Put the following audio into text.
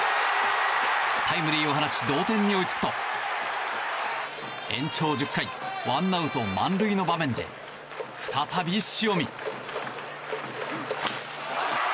タイムリーを放ち同点に追いつくと延長１０回、ワンアウト満塁の場面で再び塩見。